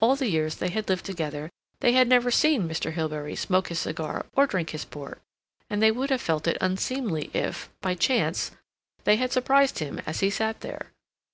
All the years they had lived together they had never seen Mr. Hilbery smoke his cigar or drink his port, and they would have felt it unseemly if, by chance, they had surprised him as he sat there.